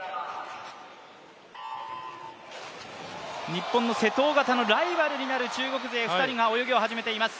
日本の瀬戸・小方のライバルになる中国勢が泳ぎを見せています。